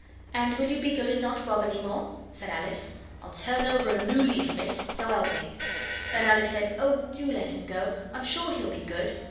'And will you be good and not rob any more?' said Alice. 'I'll turn over a noo leaf, miss, so help me.' Then Alice said 'Oh, do let him go! I'm sure he'll be good.